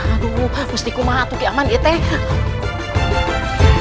aduh mustiku mahatuki aman itu